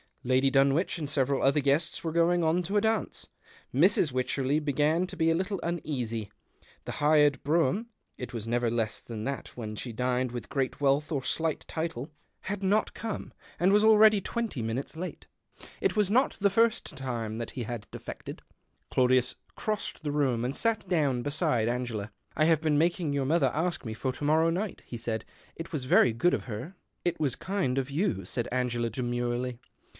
Lady Dunwich and several other guests were going on to a dance. Mrs. Wycherley began to be a little uneasy. The hired brougham (it was never less than that when she dined with great wealth or slight title) THE OCTAVE OF CLAUDIUS. 173 lacl not come, and was already twenty ainutes late. It was not the first time that b had defected. Claudius crossed the room nd sat down beside Anerela. " I have been making your mother ask me or to morrow night," he said. " It was very jood of her." " It was kind of you," said Angela, demurely.